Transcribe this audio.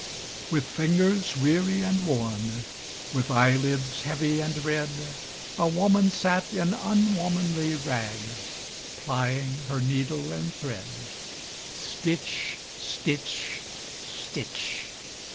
With fingers weary and worn, With eyelids heavy and red, A woman sat in unwomanly rags, Plying her needle and thread Stitch! stitch! stitch!